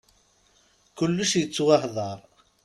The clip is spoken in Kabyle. Kulec yettwahdar.